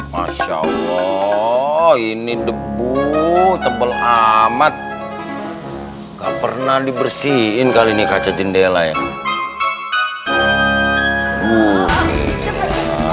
masya allah ini debu tebal amat gak pernah dibersihin kali ini kaca jendela ya